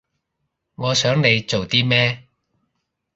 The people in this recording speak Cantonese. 我想你做啲咩